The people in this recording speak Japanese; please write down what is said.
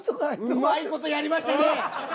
うまい事やりましたね！